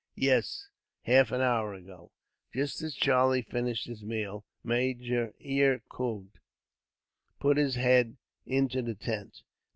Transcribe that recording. "Yes, half an hour ago." Just as Charlie finished his meal, Major Eyre Coote put his head into the tent.